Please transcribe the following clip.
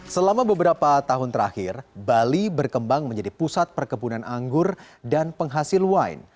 selama beberapa tahun terakhir bali berkembang menjadi pusat perkebunan anggur dan penghasil wine